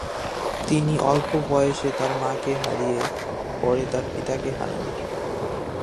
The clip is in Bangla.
তিনি অল্প বয়সে তার মাকে হারিয়ে পরে তার পিতাকে হারান।